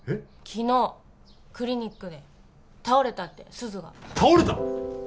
昨日クリニックで倒れたって鈴が倒れた！？